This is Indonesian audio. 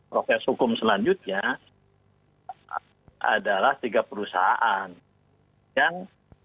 proses hukum selanjutnya adalah tiga perusahaan yang